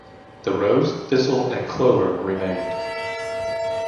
The rose, thistle and clover remained.